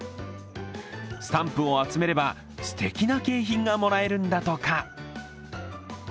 スタンプを集めればすてきな景品がもらえるんだとか。